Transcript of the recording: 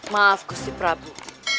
maaf gusti prabu